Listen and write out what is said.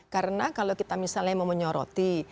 karena kalau kita misalnya mau menyoroti